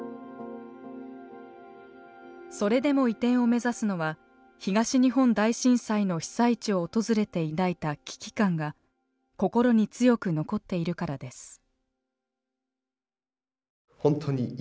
それでも移転を目指すのは東日本大震災の被災地を訪れて抱いた危機感が心に強く残っているからです。